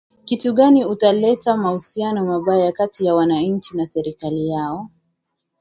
kitu gani utaleta mahusiano mabaya kati ya wananchi na serikali yao